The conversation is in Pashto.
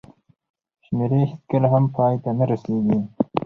شمېرې هېڅکله هم پای ته نه رسېږي.